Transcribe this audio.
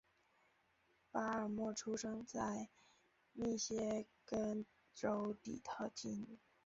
巴尔默出生在密歇根州底特律。